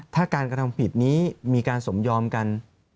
ถ้าการกระทำผิดนี้มีการสมยอมกัน